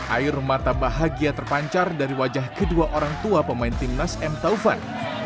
air mata bahagia terpancar dari wajah kedua orang tua pemain timnas m taufan